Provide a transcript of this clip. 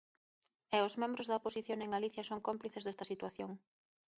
E os membros da oposición en Galicia son cómplices desta situación.